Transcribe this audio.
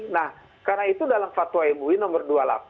nah karena itu dalam fatwa mui nomor dua puluh delapan